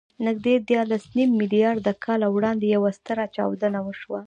نږدې دیارلسنیم میلیارده کاله وړاندې یوه ستره چاودنه وشوه.